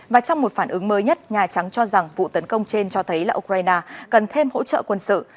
và trong một phản ứng mới nhất nhà trắng cho rằng vụ tấn công trên cho thấy là ukraine cần thêm hỗ trợ quân sự